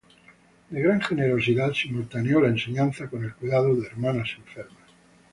De gran generosidad, simultaneó la enseñanza con el cuidado de hermanas enfermas.